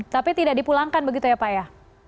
tapi tidak dipulangkan begitu ya pak ya